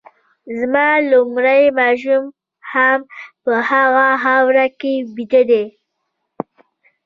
زما لومړی ماشوم هم په هغه خاوره کي بیده دی